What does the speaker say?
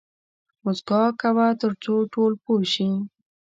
موسکا کوه تر څو ټول پوه شي